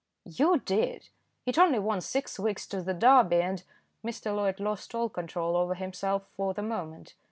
"You did. It only wants six weeks to the Derby, and " Mr. Loyd lost all control over himself for the moment.